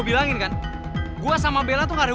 rebecca juga kalau sembunyi cuma jatoh